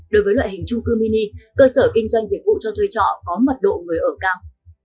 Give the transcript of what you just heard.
đối với loại hình trung cư mini cơ sở kinh doanh dịch vụ cho thuê trọ có mật độ người ở cao